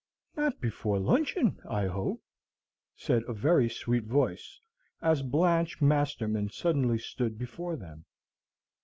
"Not before luncheon, I hope," said a very sweet voice, as Blanche Masterman suddenly stood before them.